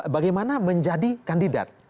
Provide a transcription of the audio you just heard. bagaimana menjadi kandidat